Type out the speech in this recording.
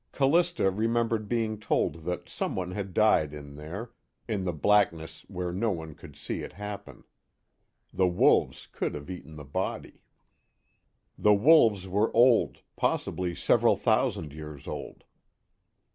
Callista remembered being told that someone had died in there, in the blackness where no one could see it happen. The wolves would have eaten the body. The wolves were old, possibly several thousand years old.